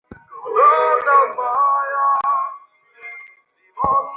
তিনি মূলতঃ বামহাতি মিডিয়াম হিসেবে খেলতেন।